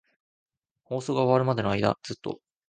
放送が終わるまでの間、ずっと。